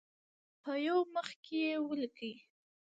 په یو مخ کې یې ولیکئ.